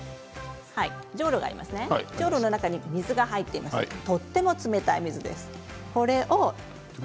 じょうろの中に水入っています、とても冷たい水です。